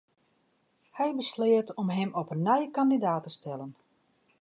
Hy besleat om him op 'e nij kandidaat te stellen.